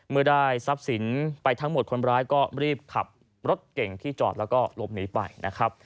เมื่อได้ทรัพย์สินไปทั้งหมดคนร้ายก็รีบขับรถเก่งที่จอดแล้วก็หลบหนีไปนะครับ